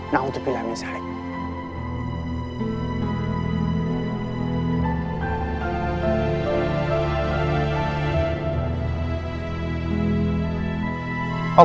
nah untuk pilihan misalnya